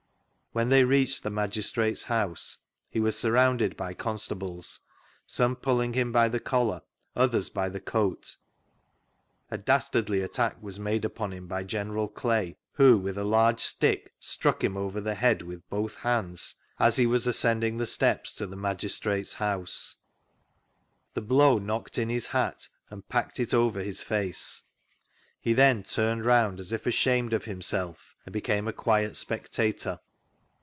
When they reached the Magistrates' house he was surrounded by con stables, some pulling him by the c<^ar, others by the coat. A dastardly attack was made upon him by General Clay, who with a large stick struck him over the head with both hands as he was vGoogIc ■V Google i Manchester .i ,Gt)Ogle MR. SMITH'S NARRATIVE 69 ascending tbe steps to the MagistraVes' house. The blow knoclred in his hat and packed it over his face. He then turned round as if ashamed of himself and became a quiet spectator.